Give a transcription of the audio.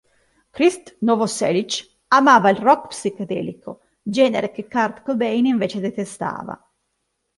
Krist Novoselic amava il rock psichedelico, genere che Kurt Cobain invece detestava.